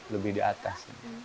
lebih di atas